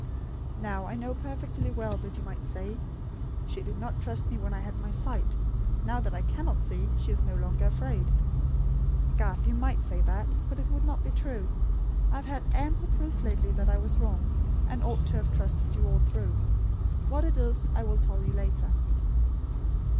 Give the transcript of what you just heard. "Now I know perfectly well, that you might say: 'She did not trust me when I had my sight. Now that I cannot see, she is no longer afraid.' Garth, you might, say that; but it would not be true. I have had ample proof lately that I was wrong, and ought to have trusted you all through. What it is, I will tell you later.